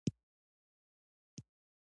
دا ډول د هومو فلورسي ینسیس په نوم پېژندل شو.